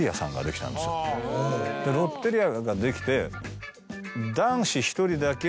ロッテリアができて。